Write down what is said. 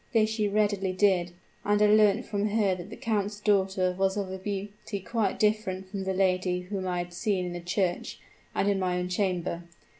This she readily did, and I learnt from her that the count's daughter was of a beauty quite different from the lady whom I had seen in the church and in my own chamber.